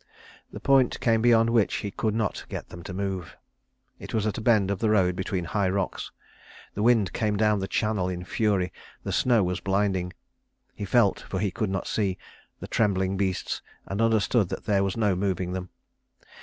The point came beyond which he could not get them to move. It was at a bend of the road between high rocks. The wind came down the channel in fury, the snow was blinding. He felt, for he could not see, the trembling beasts, and understood that there was no moving them.